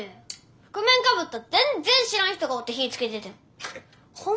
覆面かぶった全然知らん人がおって火ぃつけててん。